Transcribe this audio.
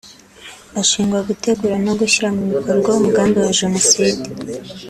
Ashinjwa gutegura no gushyira mu bikorwa umugambi wa Jenoside